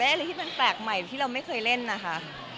อะไรที่มันแปลกใหม่ที่เราไม่เคยเล่นนะคะ